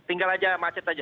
tinggal aja macet aja